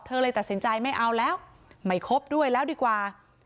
เลยตัดสินใจไม่เอาแล้วไม่ครบด้วยแล้วดีกว่า